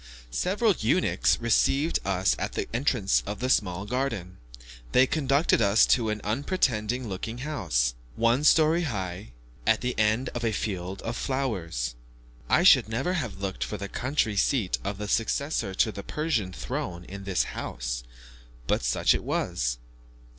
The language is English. Several eunuchs received us at the entrance of the small garden. They conducted us to an unpretending looking house, one story high, at the end of a field of flowers. I should never have looked for the country seat of the successor to the Persian throne in this house; but such it was.